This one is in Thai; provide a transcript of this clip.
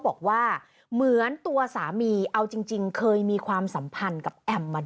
บอกว่าเหมือนตัวสามีเอาจริงเคยมีความสัมพันธ์กับแอมมา